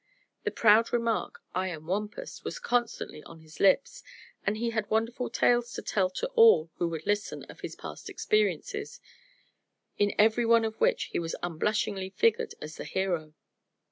The proud remark: "I am Wampus!" was constantly on his lips and he had wonderful tales to tell to all who would listen of his past experiences, in every one of which he unblushingly figured as the hero.